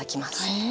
へえ。